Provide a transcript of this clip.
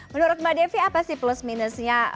menurut mbak devi apa sih plus minusnya